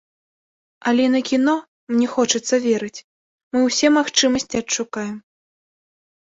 Але на кіно, мне хочацца верыць, мы ўсе магчымасці адшукаем.